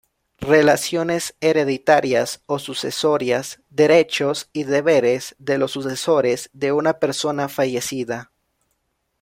Relaciones hereditarias o sucesorias: derechos y deberes de los sucesores de una persona fallecida.